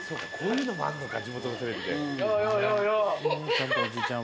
ちゃんとおじいちゃん